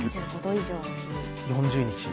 ４０日。